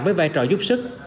với vai trò giúp sức